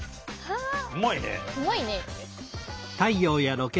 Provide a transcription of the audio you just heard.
うまいね。